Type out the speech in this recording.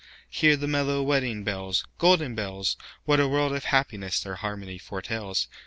Hear the mellow wedding bells, Golden bells! What a world of happiness their harmony foretells!